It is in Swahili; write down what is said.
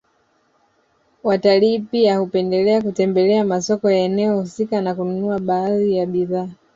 Watalii pia hupendelea kutembelea masoko ya eneo husika na kununua baadhi ya bidhaa